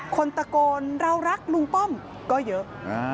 คนตะโกนเรารักลุงป้อมก็เยอะ